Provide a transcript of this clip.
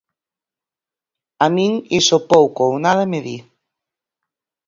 A min iso pouco ou nada me di.